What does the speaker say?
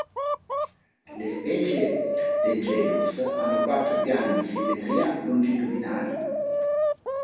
Le specie del genus hanno quattro piani di simmetria longitudinali.